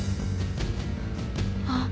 あっ。